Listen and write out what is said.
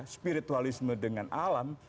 spiritualisme dengan alam